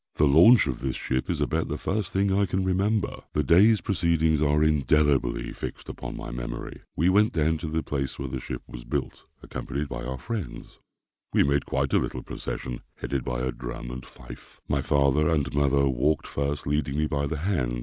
The launch of this ship is about the first thing I can remember. The day's proceedings are indelibly fixed upon my memory. We went down to the place where the ship was built, accompanied by our friends. We made quite a little procession, headed by a drum and fife. My father and mother walked first, leading me by the hand.